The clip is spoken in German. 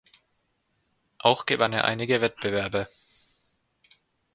Auch gewann er einige Wettbewerbe.